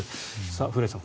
古屋さん